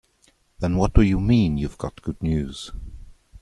Then what do you mean you've got good news?